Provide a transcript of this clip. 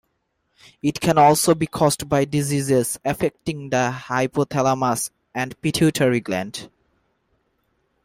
It can also be caused by diseases affecting the hypothalamus and pituitary gland.